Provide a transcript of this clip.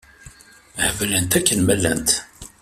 Heblent akken ma llant.